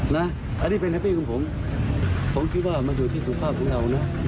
อันนี้เป็นแฮปปี้ของผมผมคิดว่ามันอยู่ที่สุภาพของเรานะ